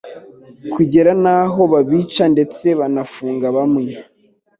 kugera n'aho babica ndetse banafunga bamwe